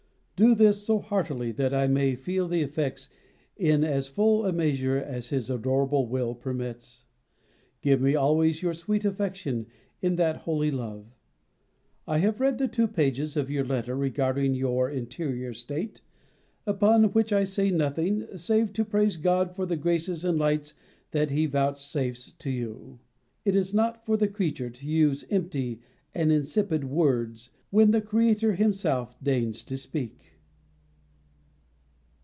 Do this so heartily that I may feel the effects in as full a measure as His adorable will permits. Give me always your sweet affection in that holy love. I have read the two pages of your letter regarding your interior state, upon which I say nothing, save to praise God for the graces and lights that He vouchsafes to you. It is not for the creature to use empty and insipid words when the Creator Himself deigns to speak.